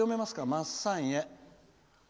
まっさんへ。